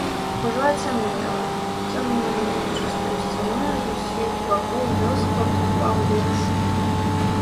Ужо ацямнела, цёмнаю зубчастаю сцяною з усіх бакоў вёску абступаў лес.